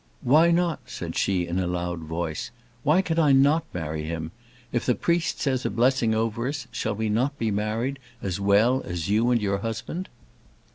"Why not?" said she, in a loud voice. "Why can I not marry him? If the priest says a blessing over us, shall we not be married as well as you and your husband?"